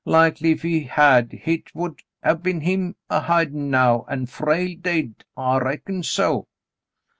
Likely if he had, hit would have been him a hidin' now, an' Frale dade. I reckon so."